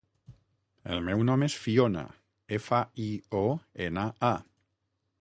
El meu nom és Fiona: efa, i, o, ena, a.